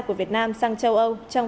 của việt nam sang châu âu